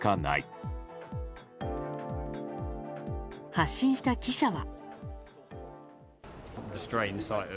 発信した記者は。